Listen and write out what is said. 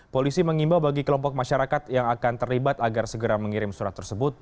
polisi mengimbau bagi kelompok masyarakat yang akan terlibat agar segera mengirim surat tersebut